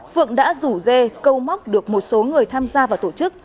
phượng đã rủ dê câu móc được một số người tham gia vào tổ chức